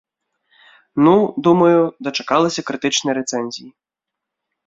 Ну, думаю, дачакалася крытычнай рэцэнзіі.